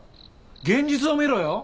現実を見ろよ。